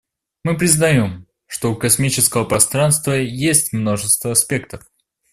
Мы признаем, что у космического пространства есть множество аспектов.